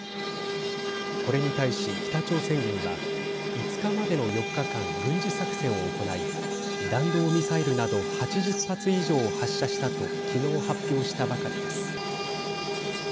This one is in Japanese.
これに対し北朝鮮軍は５日までの４日間軍事作戦を行い弾道ミサイルなど８０発以上を発射したと昨日、発表したばかりです。